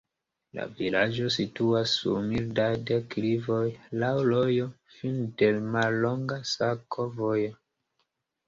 La vilaĝo situas sur mildaj deklivoj, laŭ rojo, fine de mallonga sakovojo.